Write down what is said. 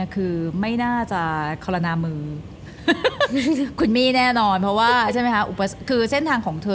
คือไม่น่าจะคลนามือคุณมี่แน่นอนเพราะว่าเช่นทางของเธอ